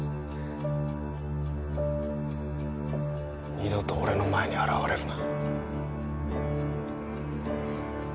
二度と俺の前に現れるな。